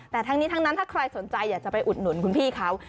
แต่ทั้งนี้ทั้งนั้นถ้าใครสนใจอยากจะไปอุดหนุนคุณพี่เขา